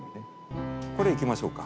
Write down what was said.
これいきましょうか。